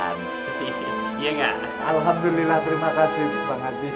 alhamdulillah terima kasih bang haji